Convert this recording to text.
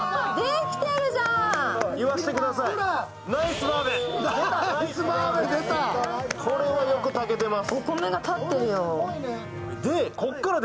その間にこれはよく炊けてます。